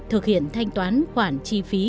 thực hiện thanh toán khoản chi phí